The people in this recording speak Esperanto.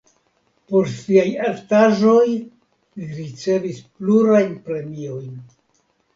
Por siaj artaĵoj li ricevis plurajn premiojn.